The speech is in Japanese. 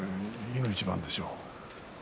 いの一番でしょう。